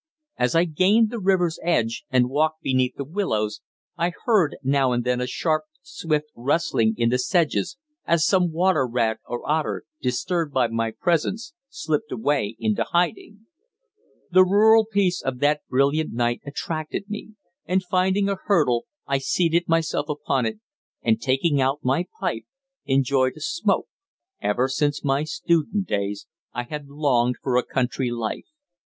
As I gained the river's edge and walked beneath the willows I heard now and then a sharp, swift rustling in the sedges as some water rat or otter, disturbed by my presence, slipped away into hiding. The rural peace of that brilliant night attracted me, and finding a hurdle I seated myself upon it, and taking out my pipe enjoyed a smoke. Ever since my student days I had longed for a country life.